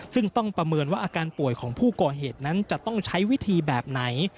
ซึ่งต้องประเมินว่าอาการป่วยของผู้ก่อเหตุนั้นจะต้องใช้วิธีแบบไหน